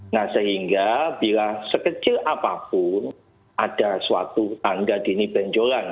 nah sehingga bila sekecil apapun ada suatu tanda dinibenjolan